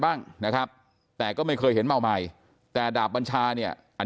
บ้างนะครับแต่ก็ไม่เคยเห็นเมาใหม่แต่ดาบบัญชาเนี่ยอัน